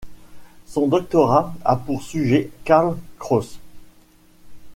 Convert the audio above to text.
Son doctorat a pour sujet Karl Kraus.